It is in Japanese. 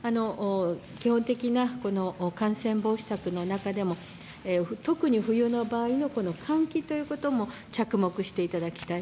基本的な感染防止策の中でも特に冬の場合の換気ということにも着目していただきたい。